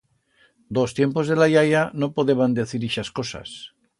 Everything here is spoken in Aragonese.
D'os tiempos de la yaya, no podeban decir ixas cosas.